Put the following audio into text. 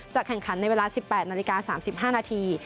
แข่งขันในเวลา๑๘นาฬิกา๓๕นาที